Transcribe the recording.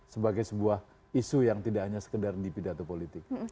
sebagai sebuah isu yang tidak hanya sekedar di pidato politik